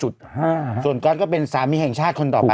ส่วนก๊อตก็เป็นสามีแห่งชาติคนต่อไป